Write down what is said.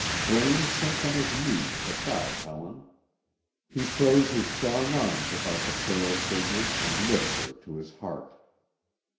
Braine sinks on his knees beside Helen. He throws his strong arms about the frail figure, and lifts her to his heart.